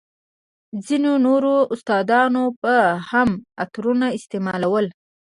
ځينو نورو استادانو به هم عطرونه استعمالول.